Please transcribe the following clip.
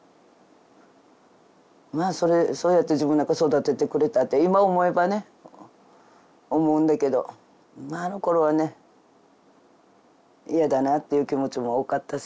まあそうやって自分なんかを育ててくれたって今思えばね思うんだけどあのころはね嫌だなっていう気持ちも多かったし。